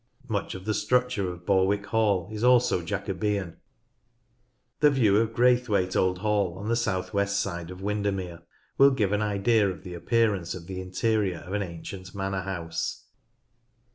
Much of the structure of Borwick Hall is also Jacobean. The view of Graythwaite Old Hall, on the south west side of Windermere, will give an idea of the appearance of the interior of an ancient manor house.